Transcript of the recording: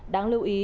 đáng lưu ý